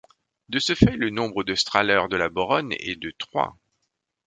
De ce fait, le nombre de Strahler de la Beauronne est de trois.